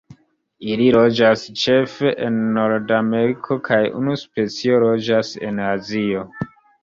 Ili loĝas ĉefe en Nordameriko kaj unu specio loĝas en Azio.